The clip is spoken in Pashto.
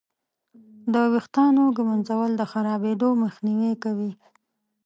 د ویښتانو ږمنځول د خرابېدو مخنیوی کوي.